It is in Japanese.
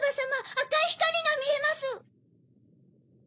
赤い光が見えます。